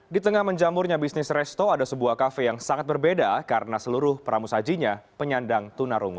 di tengah menjamurnya bisnis resto ada sebuah kafe yang sangat berbeda karena seluruh pramusajinya penyandang tuna rungu